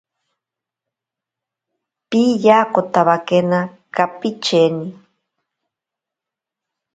Piyakotawakena kapicheni.